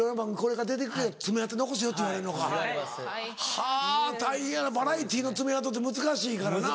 はぁ大変やなバラエティーの爪痕って難しいからな。